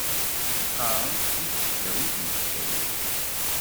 Teqqaṛemt di tesdawit n Bgayet.